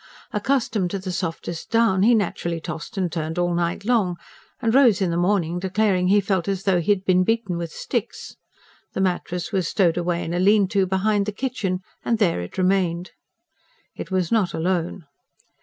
Accustomed to the softest down, he naturally tossed and turned all night long, and rose in the morning declaring he felt as though he had been beaten with sticks. The mattress was stowed away in a lean to behind the kitchen, and there it remained. It was not alone.